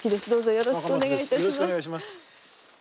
よろしくお願いします。